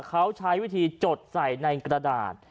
เขาใช้วิธีจดใส่ในกระดาษ